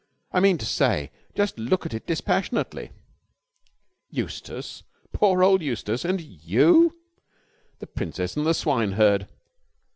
I mean to say, just look at it dispassionately ... Eustace ... poor old Eustace ... and you! The Princess and the Swineherd!"